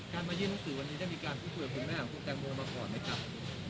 มายื่นหนังสือวันนี้ได้มีการพูดคุยกับคุณแม่ของคุณแตงโมมาก่อนไหมครับ